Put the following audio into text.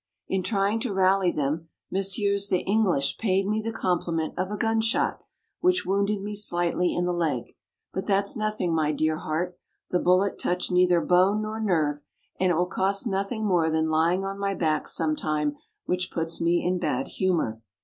In trying to rally them, Messieurs the English paid me the compliment of a gunshot, which wounded me slightly in the leg; but that's nothing, my dear heart; the bullet touched neither bone nor nerve, and it will cost nothing more than lying on my back some time, which puts me in bad humor."